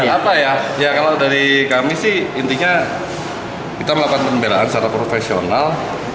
apa ya ya kalau dari kami sih intinya kita melakukan pembelaan secara profesional